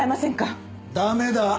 ダメだ！